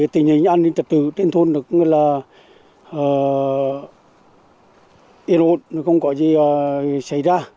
tình hình an ninh trật tự trên thôn được là yên ổn không có gì xảy ra